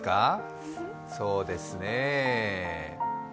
そうですねえ